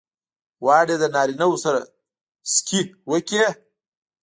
غواړې له نارینه وو سره سکی وکړې؟